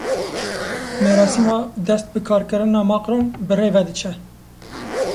Merasîma dest bi karkirina Makron birêve diçe.